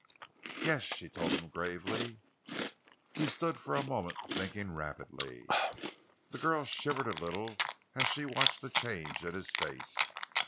"Yes," she told him gravely. He stood for a moment thinking rapidly. The girl shivered a little as she watched the change in his face.